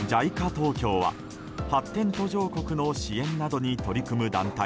東京は発展途上国の支援などに取り組む団体